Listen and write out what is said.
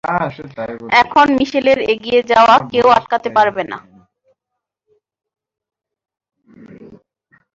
এখন মিশেলের এগিয়ে যাওয়া কেউ আটকাতে পারবে না।